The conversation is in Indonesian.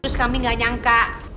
terus kami gak nyangka